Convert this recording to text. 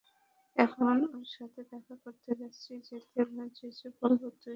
এখন ওর সাথে দেখা করতে যাচ্ছি, যেয়ে বলব তুই একজন আদর্শ ভাই।